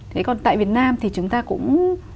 thế còn tại việt nam thì chúng ta cũng